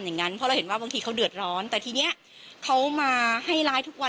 ก็อ้างว่าเอาลูกเขานู่นนี่นั่นซึ่งไปดูคลิปได้นะคะ